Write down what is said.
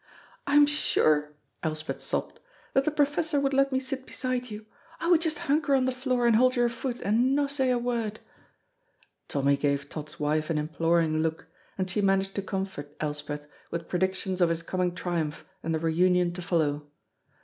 "I'm sure," Elspeth sobbed, "that the professor would let me sit beside you; I would just hunker on the floor and hold your foot and no say a word." Tommy gave Tod's wife an imploring look, and she managed to comfort Elspeth with predictions of his coming triumph and the reunion to follow.